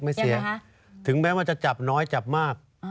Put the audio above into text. ไม่เสียถึงแม้ว่าจะจับน้อยจับมาก